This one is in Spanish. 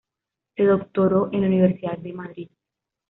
Se doctoró en la Universidad de Madrid.